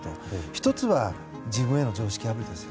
１つは、自分への常識破りです。